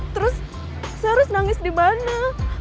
terus saya harus nangis di mana